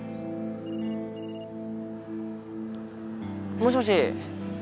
もしもし。